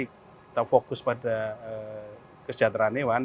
kita fokus pada kesejahteraan hewan